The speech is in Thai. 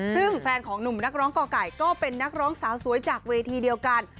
ซึ่งแฟนของหนุ่มนักร้องก่อไก่ก็เป็นนักร้องสาวสวยจากเวทีเดียวกัน